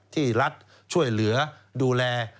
ที่รัฐช่วยเหลือดูแล